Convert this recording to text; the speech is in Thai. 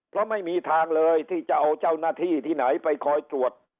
เพราะไม่มีทางเลยที่จะเอาเจ้าหน้าที่ที่ไหนไปคอยตรวจ